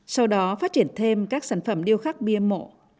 sau đó phát triển thêm các sản phẩm điêu khắc bia mộ